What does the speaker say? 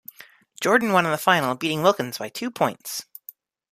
Jordan won in the final, beating Wilkins by two points.